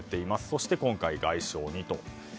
そして今回、外相にと。